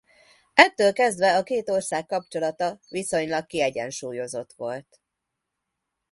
Ettől kezdve a két ország kapcsolata viszonylag kiegyensúlyozott volt.